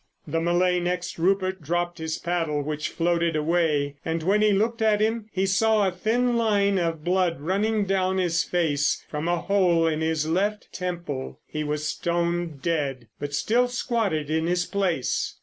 The Malay next Rupert dropped his paddle, which floated away, and when he looked at him he saw a thin line of blood running down his face from a hole in his left temple. He was stone dead, but still squatted in his place.